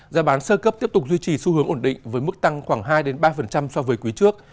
giá bán sơ cấp tiếp tục duy trì xu hướng ổn định với mức tăng khoảng hai ba so với quý trước